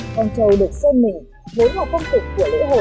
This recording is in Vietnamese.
con trâu được xem mình với hòa phong tục của lễ hội